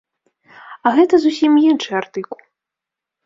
А гэта зусім іншы артыкул.